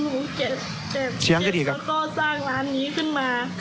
หนูเก็บเก็บเก็บแล้วก็สร้างร้านนี้ขึ้นมา